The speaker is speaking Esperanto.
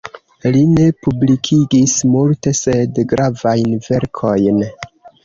Li ne publikigis multe, sed gravajn verkojn.